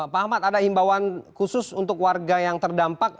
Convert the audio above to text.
pak ahmad ada himbauan khusus untuk warga yang terdampak